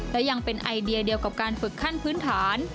และยังเป็นไอเดียเดียวกับการฝึกขั้นพื้นฐาน